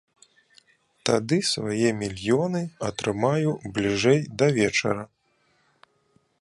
Тады свае мільёны атрымаю бліжэй да вечара.